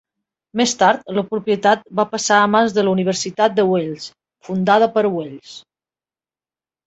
Més tard, la propietat va passar a mans de la Universitat de Wells, fundada per Wells.